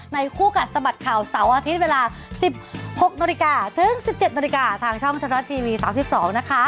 ในคู่กันสะบัดข่าวเสาร์อาทิตย์เวลา๑๖นถึง๑๗นทางช่องธรรมดาทีวี๓๒นะคะ